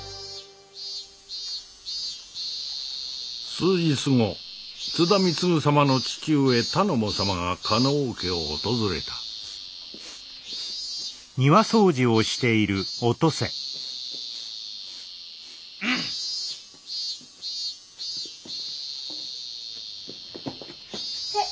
数日後津田貢様の父上頼母様が加納家を訪れたへえ。